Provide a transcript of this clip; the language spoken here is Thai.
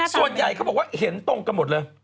ส่วนใหญ่เขาบอกว่าเห็นตรงกันหมดเลย